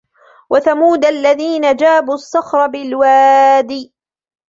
وَثَمُودَ الَّذِينَ جَابُوا الصَّخْرَ بِالْوَادِ